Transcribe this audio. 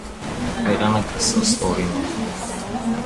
Բերանը կիսաստորին է։